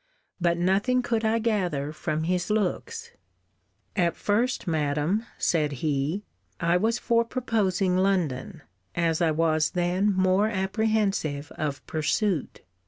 But nothing could I gather from his looks. At first, Madam, said he, I was for proposing London, as I was then more apprehensive of pursuit.